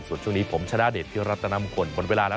ส่วนช่วงนี้ผมชนะเดชที่รัฐนำคนบนเวลาแล้ว